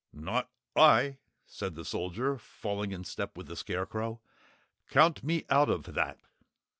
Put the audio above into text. "Not I," said the Soldier, falling in step with the Scarecrow. "Count me out of that!"